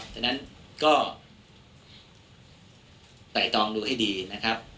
เพราะฉะนั้นก็ใส่ตองดูให้ดีนะครับ